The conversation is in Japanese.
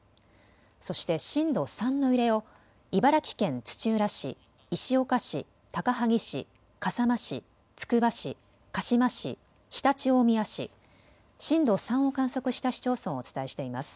そして震度３の揺れを茨城県土浦市、石岡市、高萩市、笠間市、つくば市、鹿嶋市、常陸大宮市、震度３を観測した市町村をお伝えしています。